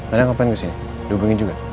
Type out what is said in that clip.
anda ngapain kesini dihubungin juga